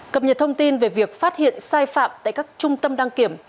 cập nhật thông tin về việc phát hiện sai phạm tại các trung tâm đăng kiểm